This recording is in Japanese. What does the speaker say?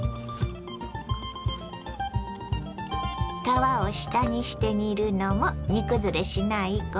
皮を下にして煮るのも煮崩れしないコツ。